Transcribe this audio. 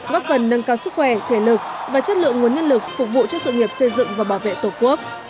góp phần nâng cao sức khỏe thể lực và chất lượng nguồn nhân lực phục vụ cho sự nghiệp xây dựng và bảo vệ tổ quốc